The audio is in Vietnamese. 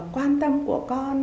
quan tâm của con